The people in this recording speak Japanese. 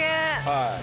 はい。